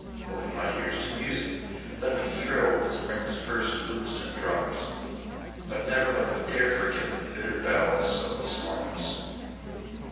Open my ears to music; letMe thrill with Spring's first flutes and drums—But never let me dare forgetThe bitter ballads of the slums.